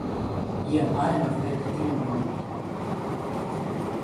El are nevoie de tine mai mult.